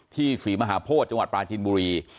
ศรีมหาโพธิจังหวัดปลาจินบุรี